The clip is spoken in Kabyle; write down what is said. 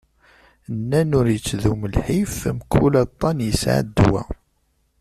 Nnan ur yettdum lḥif, mkul aṭṭan yesεa ddwa.